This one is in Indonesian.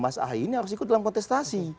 mas ahy ini harus ikut dalam kontestasi